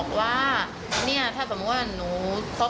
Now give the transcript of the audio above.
แก้เชื้อ